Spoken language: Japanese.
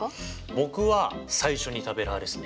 僕は最初に食べる派ですね。